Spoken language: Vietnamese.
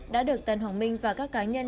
đã được tân hoàng minh và các cá nhân